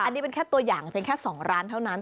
อันนี้เป็นแค่ตัวอย่างเพียงแค่๒ร้านเท่านั้น